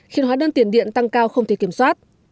khiến hóa đơn tiền điện tăng cao không thể kiểm soát